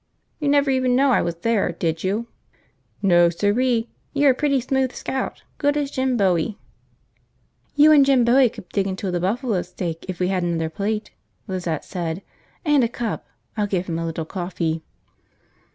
"You never even knew I was there, did you?" "No, siree, you're a pretty smooth scout, good as Jim Bowie." "You and Jim Bowie could dig into the buffalo steak if we had another plate," Lizette said. "And a cup. I'll give him a little coffee."